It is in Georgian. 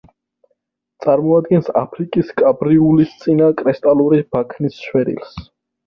წარმოადგენს აფრიკის კამბრიულისწინა კრისტალური ბაქნის შვერილს.